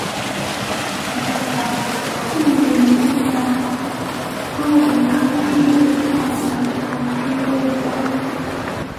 律令制下将之分为从七位上和从七位下。